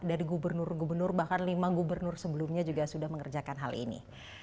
dari gubernur gubernur bahkan lima gubernur sebelumnya juga sudah mengerjakan hal ini